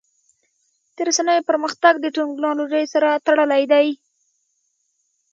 د رسنیو پرمختګ د ټکنالوژۍ سره تړلی دی.